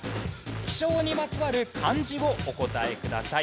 気象にまつわる漢字をお答えください。